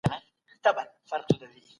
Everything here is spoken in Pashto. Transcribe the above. له خطرناکو وسایلو ماشومان لرې وساتئ.